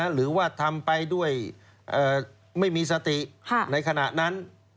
หรือว่าทำไปด้วยไม่มีสติในขณะนั้น